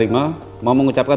mau mengucapkan salam